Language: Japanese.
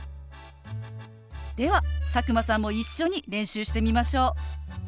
では佐久間さんも一緒に練習してみましょう。